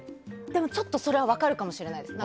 でもちょっとそれは分かるかもしれないです。